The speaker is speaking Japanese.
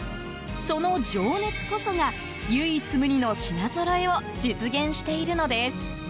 その情熱こそが、唯一無二の品ぞろえを実現しているのです。